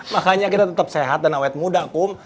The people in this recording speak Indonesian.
makanya kita tetap sehat dan awet muda kum